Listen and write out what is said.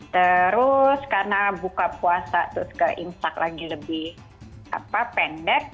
terus karena buka puasa terus ke insak lagi lebih pendek